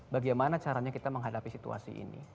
bagaimana caranya kita menghadapi situasi ini